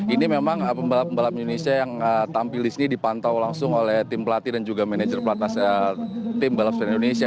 ini memang pembalap pembalap indonesia yang tampil di sini dipantau langsung oleh tim pelatih dan juga manajer tim balap sepeda indonesia